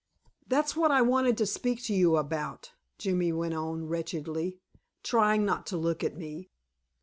"That's what I wanted to speak to you about," Jimmy went on wretchedly, trying not to look at me.